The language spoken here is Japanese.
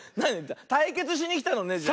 たいけつしにきたのねじゃあ。